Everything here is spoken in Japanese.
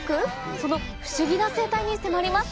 その不思議な生態に迫ります